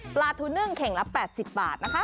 ปลาทูนึ่งเข่งละ๘๐บาทนะคะ